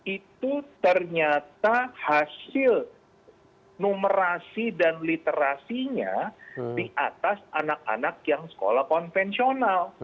itu ternyata hasil numerasi dan literasinya di atas anak anak yang sekolah konvensional